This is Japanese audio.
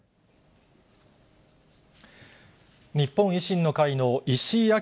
日本維新の会の石井章